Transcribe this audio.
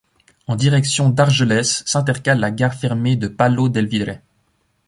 En direction d'Argelès, s'intercale la gare fermée de Palau-del-Vidre.